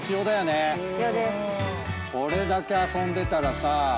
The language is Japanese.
これだけ遊んでたらさ。